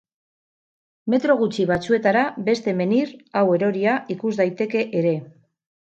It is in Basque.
Metro gutxi batzuetara beste menhir, hau eroria, ikus daiteke ere.